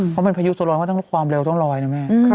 เพราะมันพยูโสลอยว่าต้องรอยความเร็วนะแม่